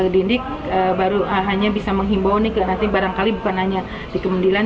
jadi baru hanya bisa menghimbau nanti barangkali bukan hanya di kemudilan